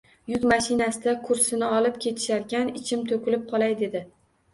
Yuk mashinasida kursini olib ketisharkan, ichim to`kilib qolay dedi